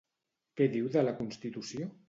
Què diu de la constitució?